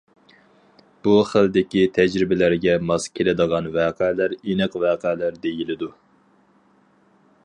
بۇ خىلدىكى تەجرىبىلەرگە ماس كېلىدىغان ۋەقەلەر ئېنىق ۋەقەلەر دېيىلىدۇ.